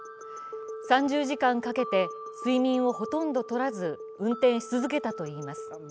３０時間かけて睡眠をほとんど取らず運転し続けたといいます。